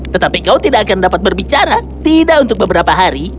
tetapi kau tidak akan dapat berbicara tidak untuk beberapa hari